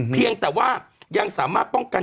เพียงแต่ว่ายังสามารถป้องกัน